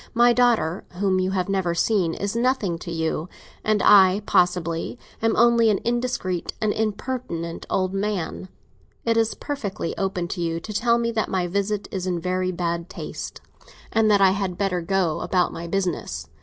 My daughter, whom you have never seen, is nothing to you; and I, possibly, am only an indiscreet and impertinent old man. It is perfectly open to you to tell me that my visit is in very bad taste and that I had better go about my business.